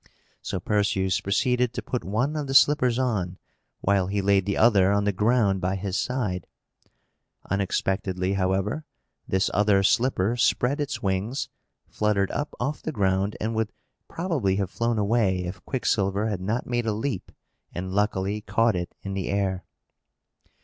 So Perseus proceeded to put one of the slippers on, while he laid the other on the ground by his side. Unexpectedly, however, this other slipper spread its wings, fluttered up off the ground, and would probably have flown away, if Quicksilver had not made a leap, and luckily caught it in the air.